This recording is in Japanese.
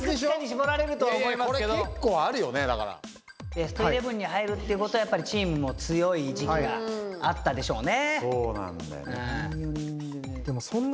ベストイレブンに入るっていうことはやっぱりチームも強い時期があったでしょうね。